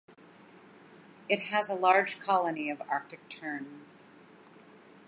It has a large colony of Arctic terns.